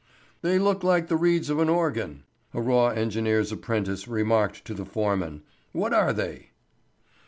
"They look like the reeds of an organ," a raw engineer's apprentice remarked to the foreman. "What are they?"